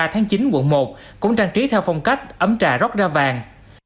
hai mươi ba tháng chín quận một cũng trang trí theo phong cách ấm trà rót ra vàng